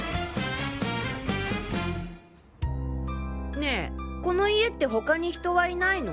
ねぇこの家って他に人はいないの？